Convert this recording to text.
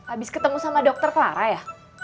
abis ketemu sama dokter clara ya